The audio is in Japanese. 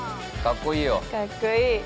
かっこいい。